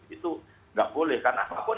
itu nggak boleh karena apapun